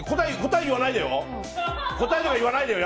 答え、言わないでよ！